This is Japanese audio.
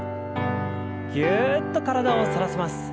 ぎゅっと体を反らせます。